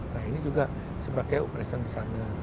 nah ini juga sebagai operasi di sana